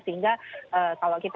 sehingga kalau kita